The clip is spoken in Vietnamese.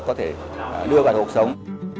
có thể đưa vào cuộc sống